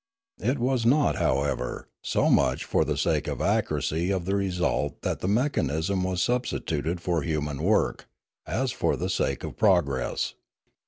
It was not, however, so much for the sake of accuracy of result that mechanism was substituted for human work, as for the sake of progress.